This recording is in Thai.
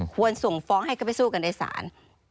ควรส่งฟ้องให้ก็ไปสู้กันในศาล